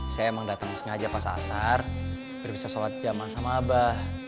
saya emang datang sengaja pasar biar bisa sholat jamaah sama abah